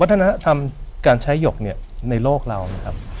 วัฒนธรรมการใช้หยกเนี่ยในโลกเรานะครับ